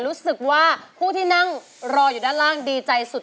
รู้สึกว่าผู้ที่นั่งรออยู่ด้านล่างดีใจสุด